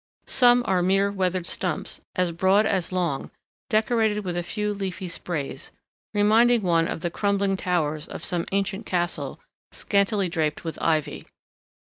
Some are mere weathered stumps, as broad as long, decorated with a few leafy sprays, reminding one of the crumbling towers of some ancient castle scantily draped with ivy.